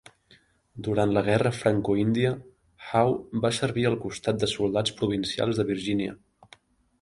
Durant la guerra franco-índia, Howe va servir al costat de soldats provincials de Virgínia.